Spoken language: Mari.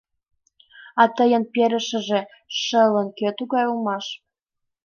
А тыйым перышыже шылынКӧ тугай улмаш?